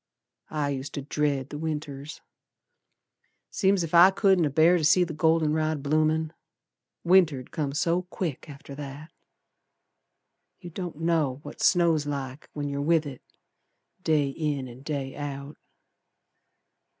I used to dread the Winters. Seem's ef I couldn't abear to see the golden rod bloomin'; Winter'd come so quick after that. You don't know what snow's like when yer with it Day in an' day out.